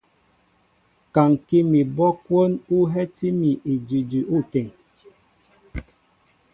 Kaŋkí mi abɔ́ kwón ú hɛ́ti mi idʉdʉ ôteŋ.